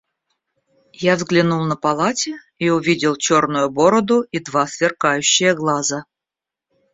Я взглянул на полати и увидел черную бороду и два сверкающие глаза.